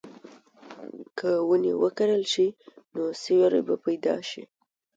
که ونې وکرل شي، نو سیوری به پیدا شي.